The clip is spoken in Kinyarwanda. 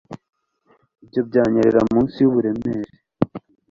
Ibyo byanyerera munsi yuburemere